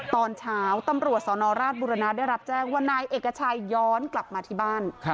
ตอนเช้าตำรวจสนราชบุรณะได้รับแจ้งว่านายเอกชัยย้อนกลับมาที่บ้าน